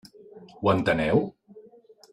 Ho enteneu?